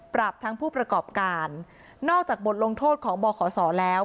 ทั้งผู้ประกอบการนอกจากบทลงโทษของบขศแล้ว